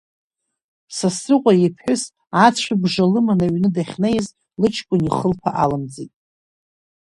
Сасрыҟәа иԥҳәыс ацәыбжа лыманы аҩны дахьнеиз, лыҷкәын ихылԥа алымҵит.